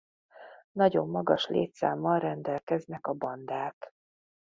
Nagyon magas létszámmal rendelkeznek a bandák.